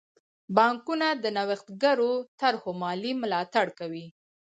بانکونه د نوښتګرو طرحو مالي ملاتړ کوي.